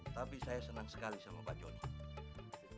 tapi saya senang sekali sama pak joni